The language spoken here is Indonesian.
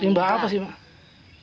limbah apa sih mak